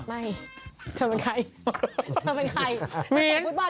ไม่เธอเป็นใครเธอเป็นใคร